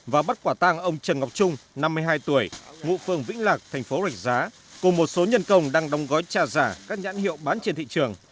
và bắt quả tang ông trần ngọc trung năm mươi hai tuổi ngụ phường vĩnh lạc thành phố rạch giá cùng một số nhân công đang đóng gói trà giả các nhãn hiệu bán trên thị trường